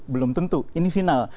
belum tentu ini final